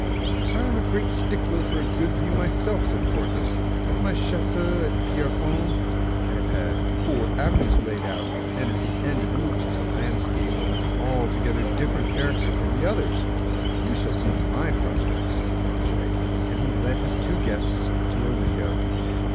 "I am a great stickler for a good view myself," said Porthos. "At my Chateau de Pierrefonds, I have had four avenues laid out, and at the end of each is a landscape of an altogether different character from the others." "You shall see my prospect," said Planchet; and he led his two guests to a window.